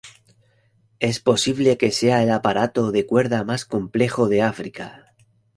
Es posible que sea el aparato de cuerda más complejo de África.